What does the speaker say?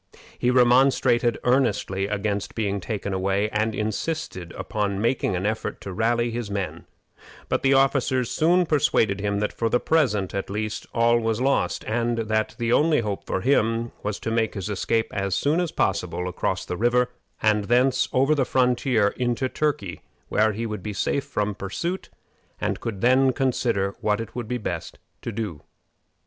He remonstrated earnestly against being taken away, and insisted upon making an effort to rally his men; but the officers soon persuaded him that for the present, at least, all was lost, and that the only hope for him was to make his escape as soon as possible across the river, and thence over the frontier into Turkey, where he would be safe from pursuit, and could then consider what it would be best to do.